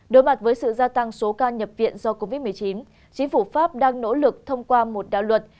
đối mặt với sự gia tăng số ca nhập viện do covid một mươi chín chính phủ pháp đang nỗ lực thông qua một đạo luật